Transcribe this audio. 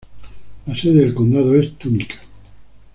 Las sede del condado es Tunica.